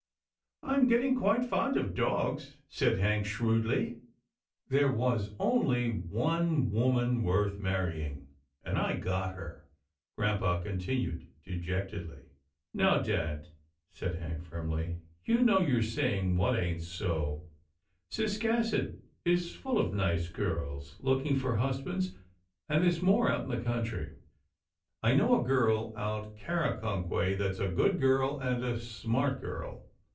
" I'm getting quite fond of dogs," said Hank shrewdly. " There was only one woman worth marrying, and I got her," grampa continued dejectedly. " Now, dad," said Hank firmly, " you know you're saying what ain't so. Ciscasset is chock full 324 'TILDA JANE'S ORPHANS of nice girls looking for husbands, and there's more out in the country. I know a girl, out Karakunk way, that's a good girl and a smart girl.